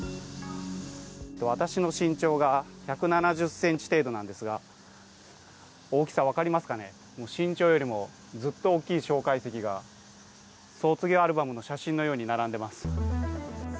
私の身長が１７０ｃｍ程度なんですが大きさ分かりますかね、身長よりもずっと大きい蒋介石が卒業アルバムの写真のように並んでます。